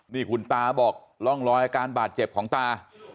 นี่คุณตาบอกร่องรอยอาการบาดเจ็บของตา